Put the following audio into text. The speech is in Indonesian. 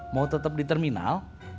mau tetap di terminal